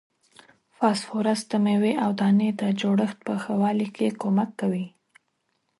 فاسفورس د میوې او دانې د جوړښت په ښه والي کې کومک کوي.